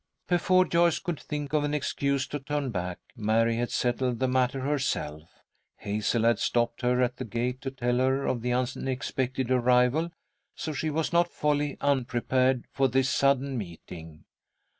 Before Joyce could think of an excuse to turn back, Mary had settled the matter for herself. Hazel had stopped her at the gate to tell her of the unexpected arrival, so she was not wholly unprepared for this sudden meeting.